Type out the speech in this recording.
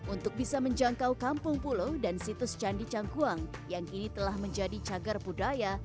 untuk bisa menjangkau kampung pulau dan situs candi cangkuang yang kini telah menjadi cagar budaya